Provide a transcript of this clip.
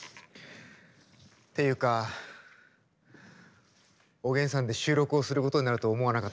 ていうかおげんさんで収録をすることになるとは思わなかったわ。